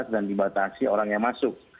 dan dibatasi orang yang masuk